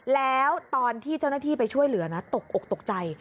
แล้วตอนที่เจ้าหน้าที่ไปช่วยเหลือนะตกอกตกใจ